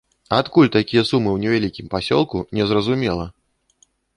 Адкуль такія сумы ў невялікім пасёлку, незразумела!